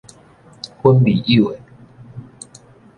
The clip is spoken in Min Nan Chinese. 粉味友的